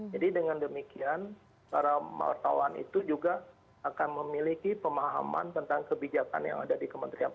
jadi dengan demikian para wartawan itu juga akan memiliki pemahaman tentang kebijakan yang ada di kementerian